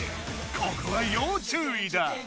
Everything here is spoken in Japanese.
ここは要注意だ。